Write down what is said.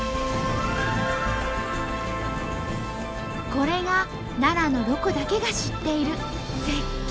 これが奈良のロコだけが知っている絶景！